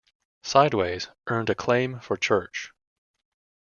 "Sideways" earned acclaim for Church.